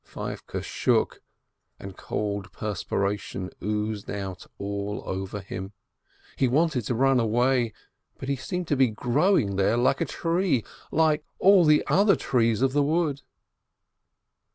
Feivke shook, and cold perspiration oozed out all over him. He wanted to run away, but he seemed to be growing there like a tree, like all the other trees of the wood.